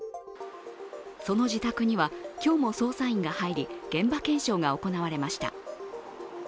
その自宅には、今日も捜査員が入り、現場検証が行われました。